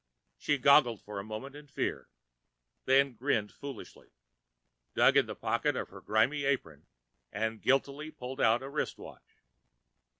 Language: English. She goggled for a moment in fear, then grinned foolishly, dug in the pocket of her grimy apron and guiltily pulled out a wristwatch.